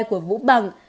của vũ bằng